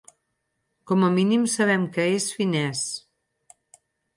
Com a mínim sabem que és finès.